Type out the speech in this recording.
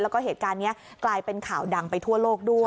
แล้วก็เหตุการณ์นี้กลายเป็นข่าวดังไปทั่วโลกด้วย